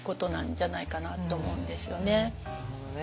なるほどね。